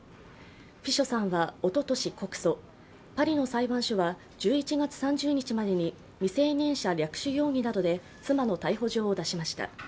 フィショさんはおととし告訴、パリの裁判所は１１月３０日までに未成年者略取容疑などで妻の逮捕状を出しました。